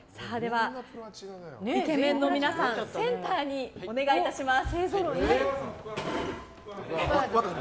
イケメンの皆さんセンターにお願いいたします。